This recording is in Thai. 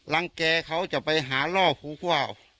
รังแก่เขาจะไปหาล่อภูก้า